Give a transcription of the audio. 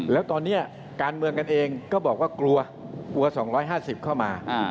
แล้วตอนนี้การเมืองกันเองก็บอกว่ากลัวกลัว๒๕๐เข้ามา